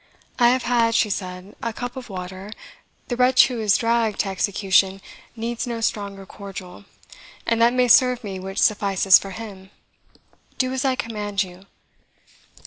"I have had," she said, "a cup of water the wretch who is dragged to execution needs no stronger cordial, and that may serve me which suffices for him. Do as I command you."